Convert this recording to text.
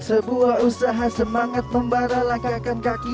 sebuah usaha semangat membaralah kakan kaki